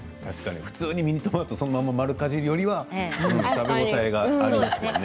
ミニトマトそのまま丸かじりよりは食べ応えがありますね。